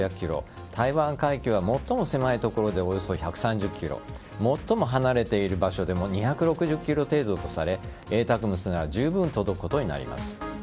台湾海峡は最も狭い所でおよそ１３０ｋｍ最も離れている場所でも２６０ｋｍ程度とされＡＴＡＣＭＳならじゅうぶん届くことになります。